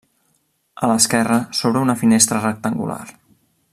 A l'esquerra s'obre una finestra rectangular.